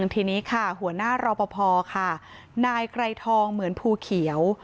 ทีนี้ค่ะหัวหน้ารอปภค่ะนายไกรทองเหมือนภูเขียว